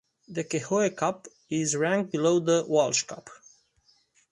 The Kehoe Cup is ranked below the Walsh Cup.